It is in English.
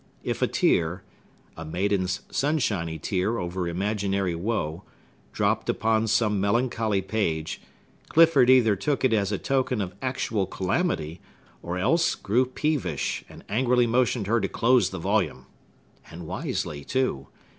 If a tear—a maiden's sunshiny tear over imaginary woe—dropped upon some melancholy page, Clifford either took it as a token of actual calamity, or else grew peevish, and angrily motioned her to close the volume. And wisely too!